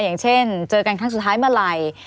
อย่างเช่นเจอกันครั้งสุดท้ายเมื่อไหร่